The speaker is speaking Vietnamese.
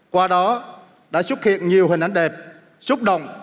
qua đó đã xuất hiện nhiều hình ảnh đẹp xúc động